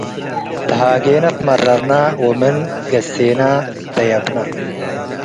ተሃጌነ ትመረርነ ወምን ትገሴነ ደየብነ።